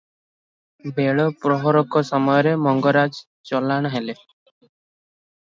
ବେଳ ପ୍ରହରକ ସମୟରେ ମଙ୍ଗରାଜ ଚଲାଣ ହେଲେ ।